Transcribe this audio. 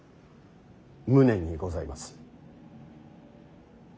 無念にございます。